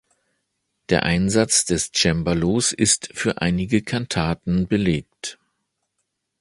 Der Einsatz des Cembalos ist für einige Kantaten belegt.